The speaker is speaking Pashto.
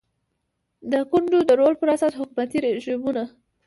د ګوندونو د رول پر اساس حکومتي رژیمونه